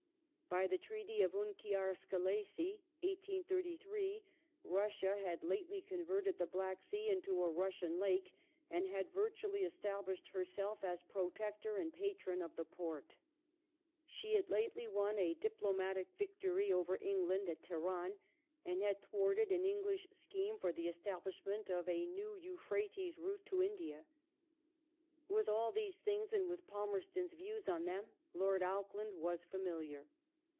By the Treaty of Unkiar Skelessi (1833) Russia had lately converted the Black Sea into a Russian lake, and had virtually established herself as Protector and patron of the Porte. She had lately won a diplomatic victory over England at Teheran, and had thwarted an English scheme for the establishment of a new Euphrates route to India. With all these things and with Palmerston's views on them Lord Auckland was familiar.